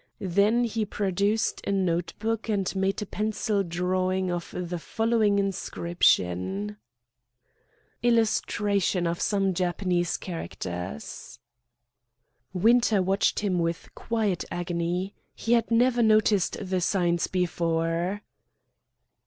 Then he produced a note book and made a pencil drawing of the following inscription: Winter watched him with quiet agony. He had never noticed the signs before.